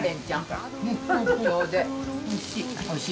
おいしい。